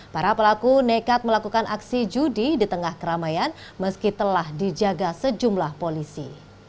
para pelaku nekat melakukan aksi judi di tengah keramaian meski telah dijaga sejumlah polisi